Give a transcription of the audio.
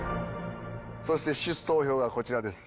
そして出走表がこちらです。